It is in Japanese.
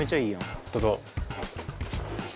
どうぞ。